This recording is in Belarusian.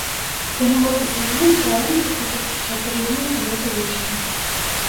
Я магу прысягнуць, што арэнду заплачу праз чатыры дні, у суботу вечарам.